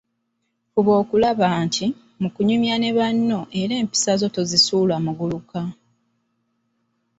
Fuba okulaba nti, mu kunyumya kwo ne banno era empisa zo tozisuula muguluka.